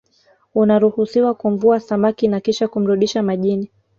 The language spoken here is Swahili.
unaruhusiwa kumvua samaki na Kisha kumrudisha majini